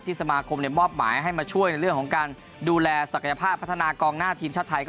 สมาคมมอบหมายให้มาช่วยในเรื่องของการดูแลศักยภาพพัฒนากองหน้าทีมชาติไทย